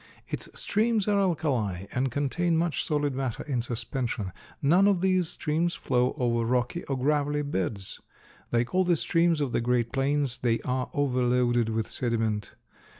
Its streams are alkali and contain much solid matter in suspension. None of these streams flow over rocky or gravelly beds. Like all the streams of the great plains they are overloaded with sediment.